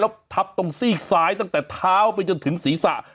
แล้วทับตรงซีกซ้ายตั้งแต่เท้าไปจนถึงศีรษะ